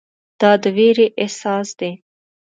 دا د ویرې احساس دی.